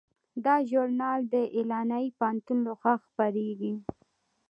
دا ژورنال د ایلینای پوهنتون لخوا خپریږي.